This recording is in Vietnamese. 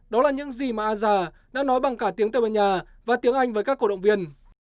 đó là những gì mà a già đã nói bằng cả tiếng tây ban nha và tiếng anh với các cổ động viên